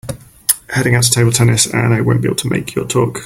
Heading out to table tennis and I won’t be able to make your talk.